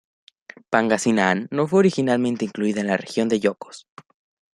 Pangasinán no fue originalmente incluida en la región de Ilocos.